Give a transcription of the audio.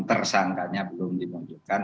tersangkanya belum dimunculkan